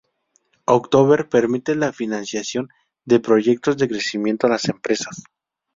October permite la financiación de proyectos de crecimiento a las empresas.